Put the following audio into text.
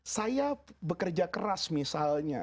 saya bekerja keras misalnya